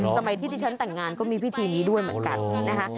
สมัยที่ที่ฉันแต่งงานก็มีพิธีนี้ด้วยเหมือนกันนะคะ